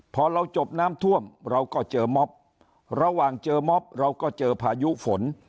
พอเราจบน้ำท่วมเราก็เจอม็อบระหว่างเจอม็อบเราก็เจอพายุฝน